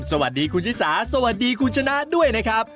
สวัสดีคุณชิสาสวัสดีคุณชนะด้วยนะครับ